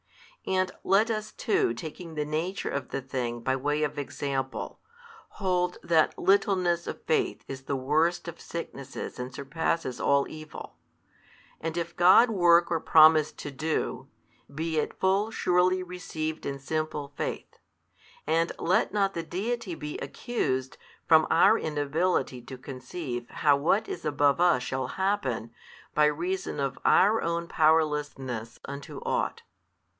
And let us too taking the nature of the thing by way of example, hold that littleness of faith is the worst of sicknesses and surpasses all evil, and if God work or promise to do, be it full surely received in simple faith, and let not the Deity be accused, from our inability to conceive how what is above us shall happen, by reason of our own powerlessness unto ought.